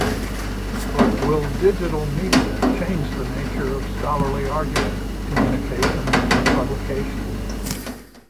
But will digital media change the nature of scholarly argument, communication, and publication?